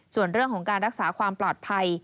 ส่วนเรื่องของการรักษาความปลอดภัย